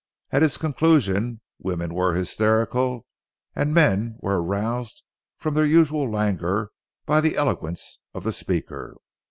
At his conclusion, women were hysterical, and men were aroused from their usual languor by the eloquence of the speaker.